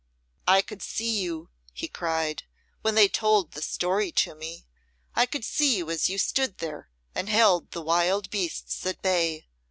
"I could see you!" he cried, "when they told the story to me. I could see you as you stood there and held the wild beasts at bay.